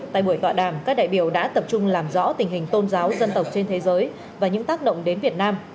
tại buổi tọa đàm các đại biểu đã tập trung làm rõ tình hình tôn giáo dân tộc trên thế giới và những tác động đến việt nam